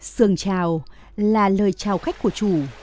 sườn chào là lời chào khách của chủ